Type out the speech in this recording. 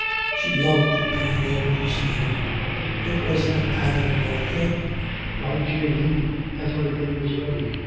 She loved being able to see him; it was a companionable thing. By June everything was ready.